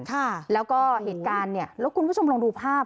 ค่ะแล้วก็เหตุการณ์เนี่ยแล้วคุณผู้ชมลองดูภาพ